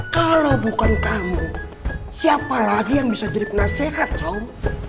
kalau bukan kamu siapa lagi yang bisa jadi penasehat kaum